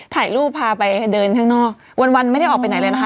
ถ่ายรูปพาไปเดินข้างนอกวันวันไม่ได้ออกไปไหนเลยนะคะ